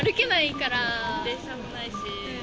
電車もないし。